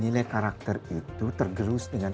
nilai karakter itu tergerus dengan